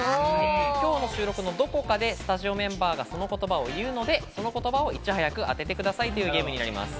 この収録のどこかでスタジオメンバーがその言葉を言うので、その言葉をいち早く当ててくださいというゲームです。